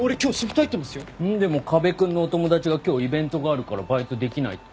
でも河辺君のお友達が今日イベントがあるからバイトできないって。